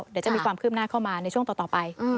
เดี๋ยวจะมีความคืบหน้าเข้ามาในช่วงต่อไป